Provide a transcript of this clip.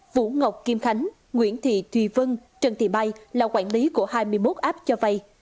vũ ngọc kim khánh nguyễn thị thùy vân trần thị mai là quản lý của hai mươi một app cho vay